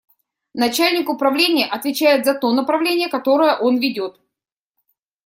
Начальник управления отвечает за то направление, которое он ведет.